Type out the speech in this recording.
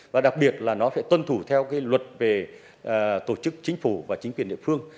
và đặc biệt là nó phải tuân thủ theo cái luật về tổ chức chính phủ và chính quyền địa phương